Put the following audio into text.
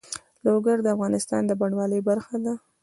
لوگر د افغانستان د بڼوالۍ برخه ده.